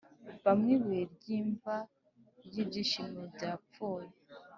bamwe ibuye ryimva ryibyishimo byapfuye,